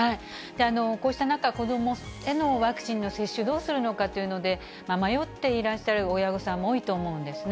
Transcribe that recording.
こうした中、子どもへのワクチンの接種、どうするのかということで迷っていらっしゃる親御さんも多いと思うんですね。